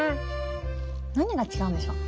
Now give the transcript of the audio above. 何が違うんでしょう。